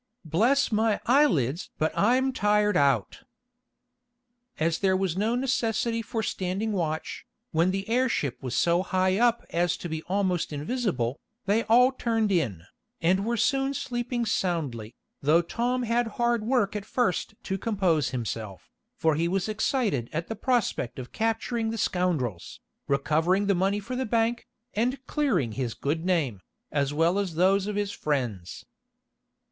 "Bless my eyelids but I'm tired out." As there was no necessity for standing watch, when the airship was so high up as to be almost invisible, they all turned in, and were soon sleeping soundly, though Tom had hard work at first to compose himself, for he was excited at the prospect of capturing the scoundrels, recovering the money for the bank, and clearing his good name, as well as those of his friends.